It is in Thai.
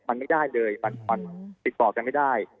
มันไม่ได้เลยมันติดต่อกันไม่ได้